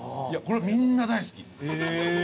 いやこれみんな大好き。